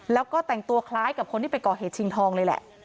แล้วก็แต่งตัวคล้ายกับคนที่ไปก่อเหตุชิงทองเลยแหละ